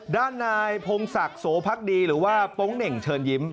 ด้านนายพงศักดิ์โสพักดีหรือว่าโป๊งเหน่งเชิญยิ้ม